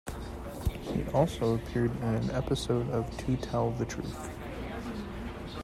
He also appeared in an episode of "To Tell the Truth".